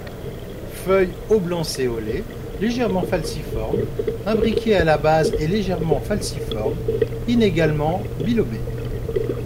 Feuilles oblancéolées, légèrement falciformes, imbriqués à la base et légèrement falciforme, inégalement bilobés.